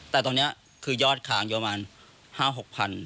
แต่ตรงนี้คือยอดค้างอยู่ประมาณ๕๖พัน